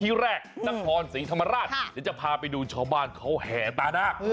ทีแรกนักธรรมศรีธรรมราชจะพาไปดูชาวบ้านเขาแห่ตาหน้า